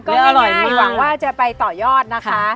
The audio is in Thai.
ก็อร่อยหวังว่าจะไปต่อยอดนะคะ